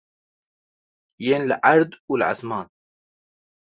Yên li erd û li ezman.